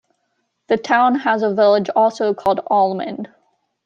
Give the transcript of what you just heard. The town has a village also called Almond.